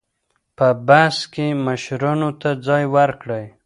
په بس کې مشرانو ته ځای ورکړئ.